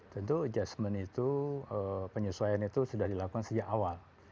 tentu adjustment itu penyesuaian itu sudah dilakukan sejak awal